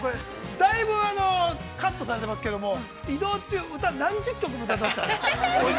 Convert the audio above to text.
だいぶカットされてますけども、移動中、歌を何十曲も歌ってましたね。